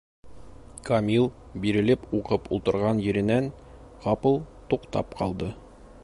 Камил бирелеп уҡып ултырған еренән ҡапыл туҡтап ҡалды.